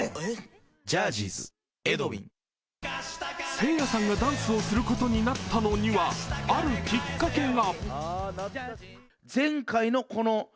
せいやさんがダンスをすることになったのには、あるきっかけが。